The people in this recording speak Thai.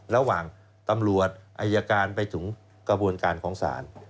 ระหว่างตำรวจอายการไปถึงกระบวนการของศาล